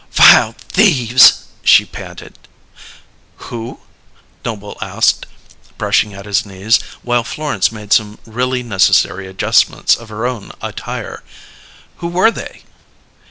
"Vile thieves!" she panted. "Who?" Noble asked, brushing at his knees, while Florence made some really necessary adjustments of her own attire. "Who were they?"